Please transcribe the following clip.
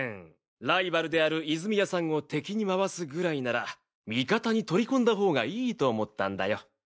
ライバルである泉谷さんを敵に回すぐらいなら味方に取り込んだ方がいいと思ったんだよ。